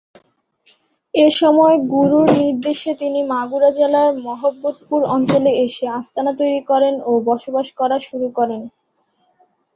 এসময় গুরুর নির্দেশে তিনি মাগুরা জেলার মহম্মদপুর অঞ্চলে এসে আস্তানা তৈরি করেন ও বসবাস করা শুরু করেন।